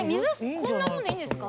こんなもんでいいんですか？